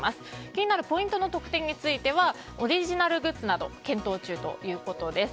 気になるポイントの特典についてはオリジナルグッズなど検討中ということです。